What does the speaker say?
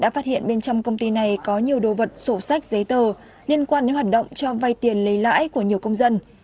đã phát hiện bên trong công ty này có nhiều đồ vật sổ sách giấy tờ liên quan đến hoạt động cho vay tiền lấy lãi của nhiều công dân